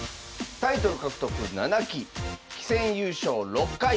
タイトル獲得７期棋戦優勝６回。